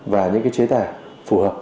và những cái chế tài phù hợp